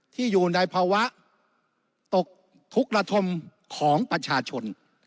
ที่อยู่ในภาวะตกทุกข์ระทมของประชาชน